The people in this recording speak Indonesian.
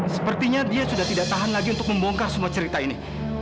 sepertinya dia sudah tidak tahan lagi untuk membongkar semua cerita ini